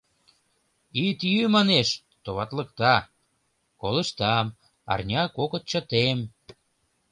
Ит йӱ, манеш, товатлыкта — колыштам, арня-кокыт чытем.